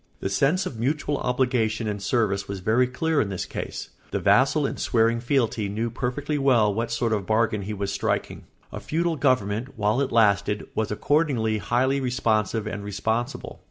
The sense of mutual obligation and service was very clear in this case; the vassal in swearing fealty knew perfectly well what sort of a bargain he was striking. A feudal government, while it lasted, was accordingly highly responsive and responsible.